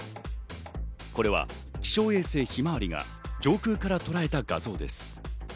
これは気象衛星ひまわりが上空からとらえた画像です。